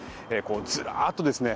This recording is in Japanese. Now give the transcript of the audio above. ずらっとですね